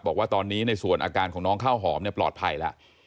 บอกว่าตอนนี้ในส่วนอาการของน้องข้าวหอมปลอดภัยแล้ว